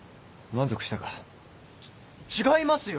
ち違いますよ！